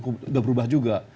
sudah berubah juga